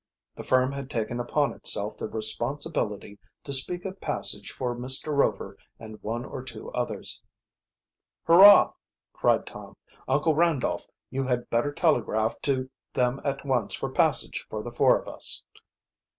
The firm had taken upon itself the responsibility to speak of passage for Mr. Rover and one or two others. "Hurrah!" cried Tom. "Uncle Randolph, you had better telegraph to them at once for passage for the four of us."